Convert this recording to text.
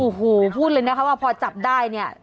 อูหูพูดเลยนะครับว่าพอจับได้เนี่ย